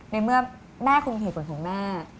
ในเมื่อแม่คงมีเหตุผลของแม่